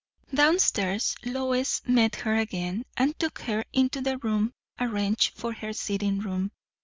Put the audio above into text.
Down stairs Lois met her again, and took her into the room arranged for her sitting room.